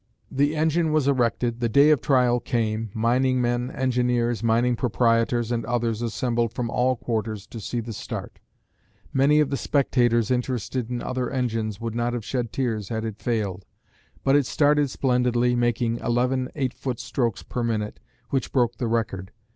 The engine was erected, the day of trial came, mining men, engineers, mining proprietors and others assembled from all quarters to see the start. Many of the spectators interested in other engines would not have shed tears had it failed, but it started splendidly making eleven eight foot strokes per minute, which broke the record.